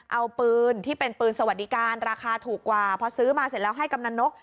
เอาปืนที่เป็นปืนสวัสดิการราคาถูกกว่าพอซื้อมาเสร็จแล้วให้กำนันนก